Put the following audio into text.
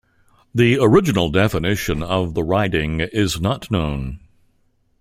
The original definition of the riding is not known.